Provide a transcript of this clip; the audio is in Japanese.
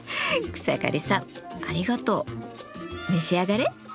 草刈さんありがとう。召し上がれ！